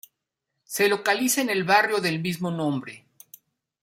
Se localiza en el barrio del mismo nombre.